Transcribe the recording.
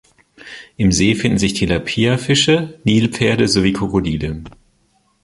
Im See finden sich Tilapia Fische, Nilpferde sowie Krokodile.